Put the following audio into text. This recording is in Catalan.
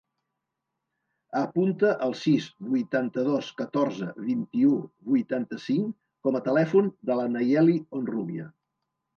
Apunta el sis, vuitanta-dos, catorze, vint-i-u, vuitanta-cinc com a telèfon de la Nayeli Honrubia.